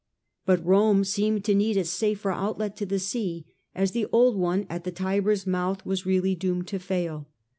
But Rome seemed to need a safer outlet to the sea, as the old one at the Tiber's mouth A.D. xo6 or was really doomed to fail.